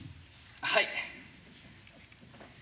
はい。